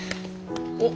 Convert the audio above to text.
おっ。